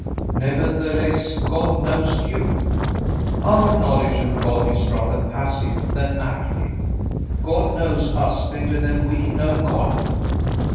Nevertheless, God knows you." Our knowledge of God is rather passive than active. God knows us better than we know God.